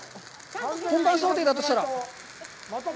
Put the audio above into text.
本番想定だとしたら。